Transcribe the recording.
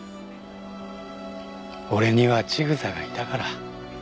俺には千草がいたから。